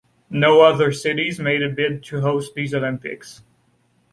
No other cities made a bid to host these Olympics.